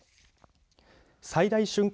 最大瞬間